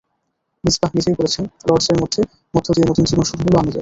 মিসবাহ নিজেই বলেছেন, লর্ডসের মধ্য দিয়ে নতুন জীবন শুরু হলো আমিরের।